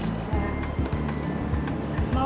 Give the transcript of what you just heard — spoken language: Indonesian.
selamat malam mas